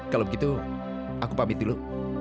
kalau begitu aku pamit dulu